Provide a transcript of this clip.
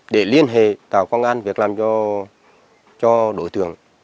để liên hệ tạo công an việc làm cho đối tượng